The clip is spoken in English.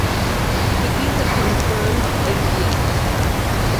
He is a confirmed atheist.